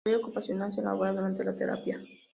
La historia ocupacional se elabora durante la terapia.